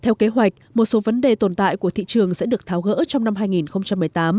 theo kế hoạch một số vấn đề tồn tại của thị trường sẽ được tháo gỡ trong năm hai nghìn một mươi tám